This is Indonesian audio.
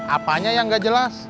apanya yang nggak jelas